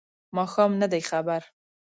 ماښام نه دی خبر